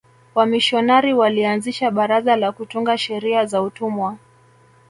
wamishionari walianzisha baraza la kutunga sheria za utumwa